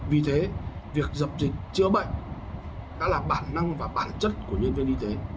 vì thế việc dập dịch chữa bệnh đã là bản năng và bản chất của nhân viên y tế